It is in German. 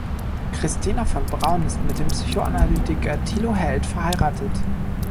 Christina von Braun ist mit dem Psychoanalytiker Tilo Held verheiratet.